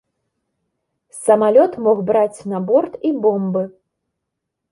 Самалёт мог браць на борт і бомбы.